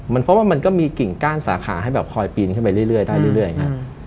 เพราะว่ามันก็มีกิ่งก้านสาขาให้แบบคอยปีนขึ้นไปเรื่อยได้เรื่อยครับ